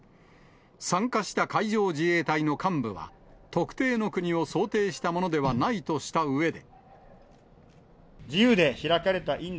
参加した海上自衛隊の幹部は、特定の国を想定したものではないとしたうえで。